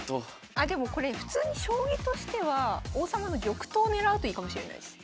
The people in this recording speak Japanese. あでもこれ普通に将棋としては王様の玉頭を狙うといいかもしれないです。